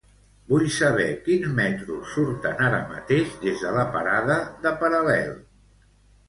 Vull saber quins metros surten ara mateix des de la parada de Paral·lel.